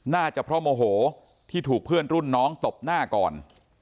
น่าจะเพราะโมโหที่ถูกเพื่อนรุ่นน้องตบหน้าก่อน